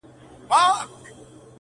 له موږکه ځان ورک سوی دی غره دی,